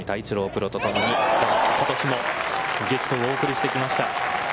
プロとともにことしも激闘をお送りしてきました。